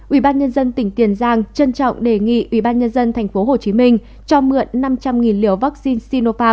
ubnd tỉnh tiền giang trân trọng đề nghị ubnd tp hcm cho mượn năm trăm linh liều vaccine sinopharm